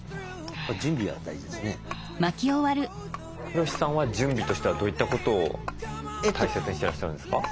ヒロシさんは準備としてはどういったことを大切にしてらっしゃるんですか？